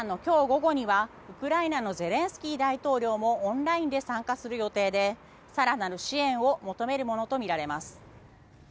午後にはウクライナのゼレンスキー大統領もオンラインで参加する予定で更なる支援を求めるものとみられます。